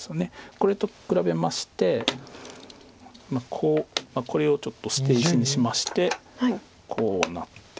これと比べましてこうこれをちょっと捨て石にしましてこうなって。